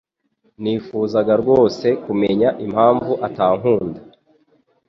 Nifuzaga rwose kumenya impamvu atankunda.